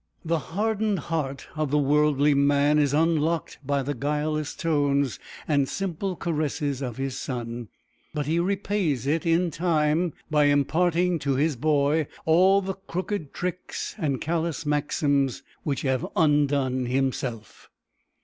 The hardened heart of the worldly man is unlocked by the guileless tones and simple caresses of his son; but he repays it in time, by imparting to his boy all the crooked tricks and callous maxims which have undone himself.